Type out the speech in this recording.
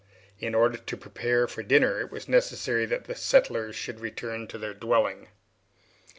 In order to prepare for dinner it was necessary that the settlers should return to their dwelling.